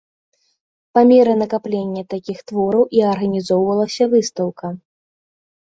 Па меры накаплення такіх твораў і арганізоўвалася выстаўка.